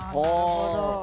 なるほど。